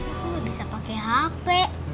aku gak bisa pake hp